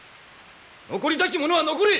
残りたき者は残れ！